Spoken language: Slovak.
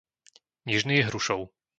Nižný Hrušov